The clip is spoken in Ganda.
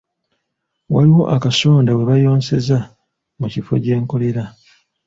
Waliwo akasonda we bayonseza mu kifo gye nkolera.